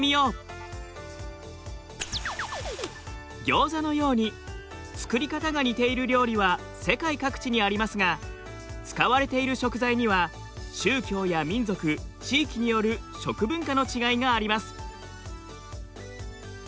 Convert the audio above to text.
ギョーザのように作り方が似ている料理は世界各地にありますが使われている食材には宗教や民族地域による食文化の違いがあります。